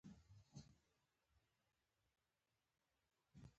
ډېره تراژیکه لیکنه.